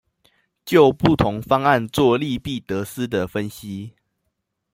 就不同方案作利弊得失的分析